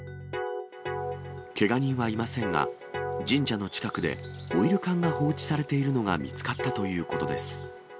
けが人はいませんが、神社の近くでオイル缶が放置されているのが見つかったということです。